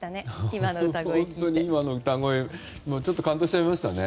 今の歌声ちょっと感動しちゃいましたね。